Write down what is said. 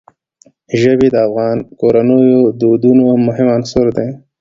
ژبې د افغان کورنیو د دودونو مهم عنصر دی.